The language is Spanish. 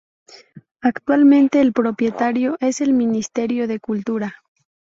Actualmente el propietario es el Ministerio de Cultura.